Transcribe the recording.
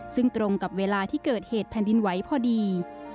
ซึ่งตรงกับเวลาที่เกิดเหตุแผ่นดินไหวพอดี